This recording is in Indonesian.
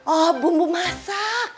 oh bumbu masak